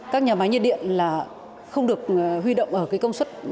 các nhà máy nhiệt điện là không được huy động ở cái công suất